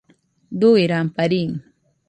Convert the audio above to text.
Dui ramparín